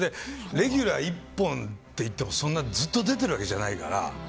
レギュラー１本っていってもそんなずっと出てるわけじゃないから。